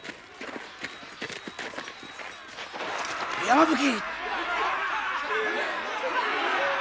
山吹。